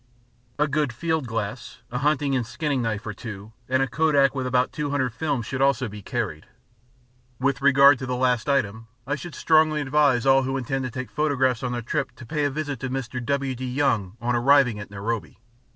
A good field glass, a hunting and skinning knife or two, and a Kodak with about 200 films should also be carried. With regard to the last item, I should strongly advise all who intend to take photographs on their trip to pay a visit to Mr. W.D. Young on arriving at Nairobi.